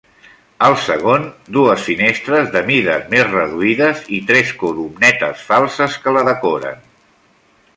Al segon, dues finestres de mides més reduïdes i tres columnetes falses que la decoren.